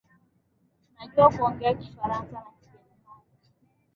Tunajua kuongea Kifaransa na Kijerumani